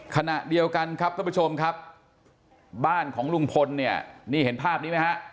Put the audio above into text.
ขณะเดียวกันครับท่านผู้ชมครับบ้านของลุงพลเนี่ยนี่เห็นภาพนี้ไหมฮะ